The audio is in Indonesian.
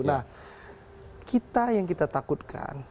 nah kita yang kita takutkan